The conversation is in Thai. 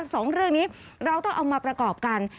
สองเรื่องนี้เราต้องเอามาประกอบกัน